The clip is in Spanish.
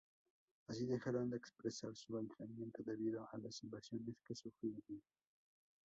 Así dejaron de expresar su aislamiento debido a las invasiones que sufrirían.